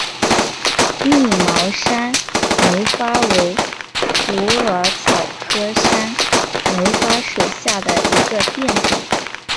密毛山梅花为虎耳草科山梅花属下的一个变种。